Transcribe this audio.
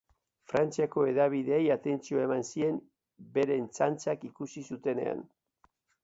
Frantziako hedabideei atentzioa eman zien beren txantxak ikusi zutenean.